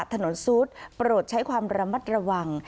ซูดโปรดใช้ความระมัดระวัง